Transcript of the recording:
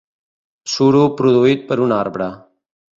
Suro produït per un arbre.